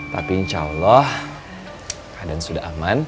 tapi insya allah keadaan sudah aman